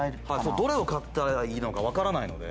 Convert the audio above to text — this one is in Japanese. どれを買ったらいいのかわからないので。